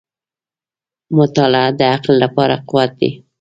• مطالعه د عقل لپاره قوت دی.